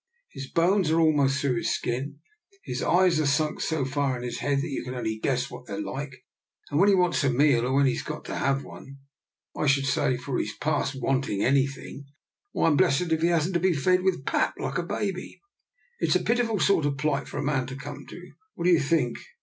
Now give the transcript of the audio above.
His bones are almost through his skin, his eyes are sunk so far into his head that you can only guess what they're like, and when he wants a meal, or when he's got to have one, I should say, for he's past wanting anything, why, I'm blest if he hasn't to be fed with pap like a baby. It's a pitiful sort of a plight for a man to come to. What do you think?